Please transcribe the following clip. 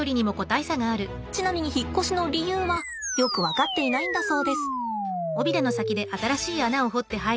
ちなみに引っ越しの理由はよく分かっていないんだそうです。